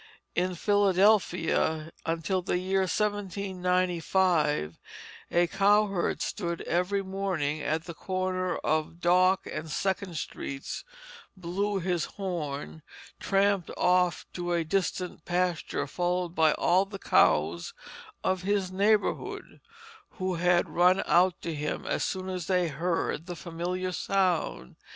In Philadelphia until the year 1795 a cowherd stood every morning at the corner of Dock and Second streets, blew his horn, tramped off to a distant pasture followed by all the cows of his neighborhood, who had run out to him as soon as they heard the familiar sound.